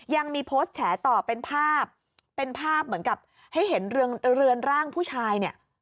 ยังมีโพสต์แฉต่อเป็นภาพเหมือนกับให้เห็นเรือนร่างผู้ชาย